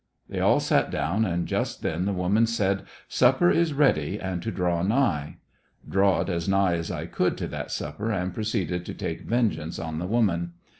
They all sat down, and just then the woman said "supper is ready and to draw nigh." Drawed as nigh as I could to that supper and proceeded to take vengeance on the woman.